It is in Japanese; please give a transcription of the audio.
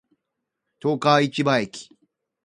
十日市場駅